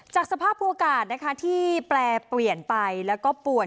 จากสภาพปวิวกาศที่แปลเปลี่ยนไปและก็ป่วน